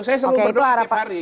saya selalu berdua setiap hari